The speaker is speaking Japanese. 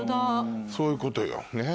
そういうことよねっ？